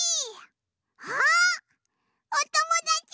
あっおともだちも。